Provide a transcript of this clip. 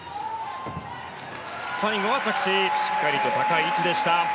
最後は着地しっかりと高い位置でした。